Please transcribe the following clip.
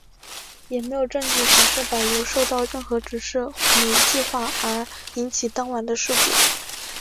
也没有证据显示保罗受到任何指示与计划而引起当晚的事故。